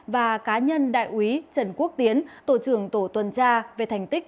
và cá nhân đại úy trần quốc tiến tổ trưởng tổ tuần tra về thành tích